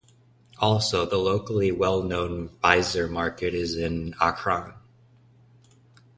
Also, the locally well known Weisers Market is in Akron.